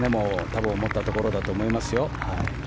多分思ったところだと思いますよ。